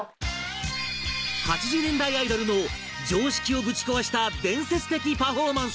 ８０年代アイドルの常識をぶち壊した伝説的パフォーマンス